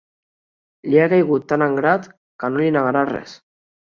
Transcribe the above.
Li ha caigut tan en grat, que no li negarà res.